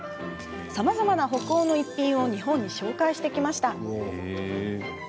さまざまな北欧の逸品を日本に紹介してきました。